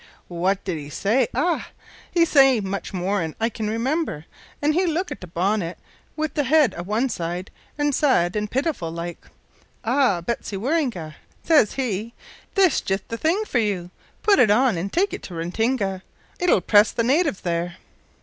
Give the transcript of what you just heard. "W'at did he say? ah! he say much mor'n I kin remember, an' he look at the bonnet with's head a one side so sad an' pitiful like. `Ah! Betsy Waroonga,' ses he, `this just the thing for you. Put it on an' take it to Ratinga, it'll press the natives there.'"